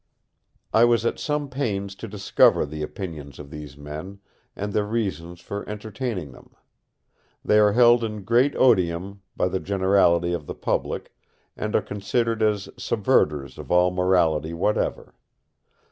I was at some pains to discover the opinions of these men, and their reasons for entertaining them. They are held in great odium by the generality of the public, and are considered as subverters of all morality whatever.